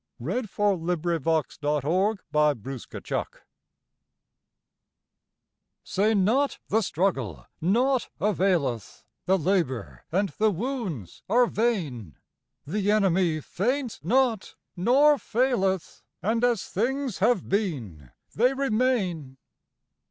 Say Not the Struggle Nought Availeth Say not the struggle nought availeth, The labor and the wounds are vain, The enemy faints not, nor faileth, And as things have been they remain.